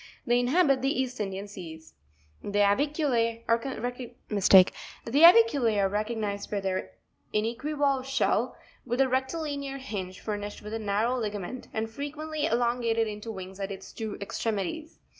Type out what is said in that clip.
They inhabit the East Indian seas. ' 15. The AvicuLa# are recognised by their inequivalve shell, with a rectilinear hinge furnished with a narrow ligament, and frequently elongated into wings at its two extremities (jig.